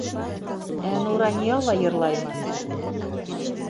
Ә Нурания ла йырлаймы?